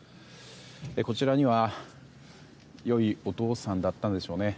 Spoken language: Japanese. こちらには、良いお父さんだったんでしょうね。